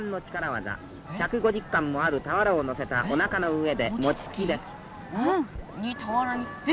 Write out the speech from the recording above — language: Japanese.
１５０貫もある俵を載せたおなかの上で餅つきです。